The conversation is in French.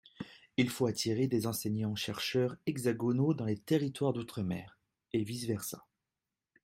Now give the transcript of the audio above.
Il faut attirer des enseignants-chercheurs hexagonaux dans les territoires d’outre-mer, et vice versa.